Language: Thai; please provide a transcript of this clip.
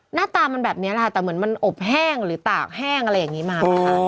หน้าตามันแบบนี้แหละค่ะแต่เหมือนมันอบแห้งหรือตากแห้งอะไรอย่างนี้มานะคะ